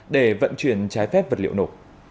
để vận chuyển trái phép vật liệu nổ